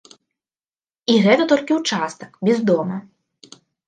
І гэта толькі ўчастак, без дома.